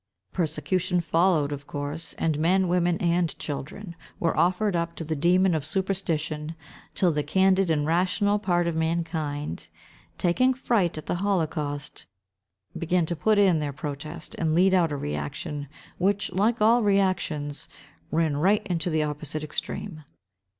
Persecution followed, of course; and men, women, and children, were offered up to the demon of superstition, till the candid and rational part of mankind, taking fright at the holocaust, began to put in their protest, and lead out a reaction, which, like all reactions, ran right into the opposite extreme.